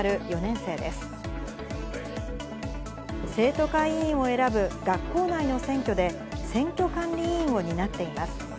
生徒会委員を選ぶ学校内の選挙で、選挙管理委員を担っています。